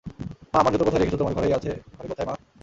মা, আমার জুতো কোথায় রেখেছ তোমার ঘরেই আছে ঘরে কোথায় মা?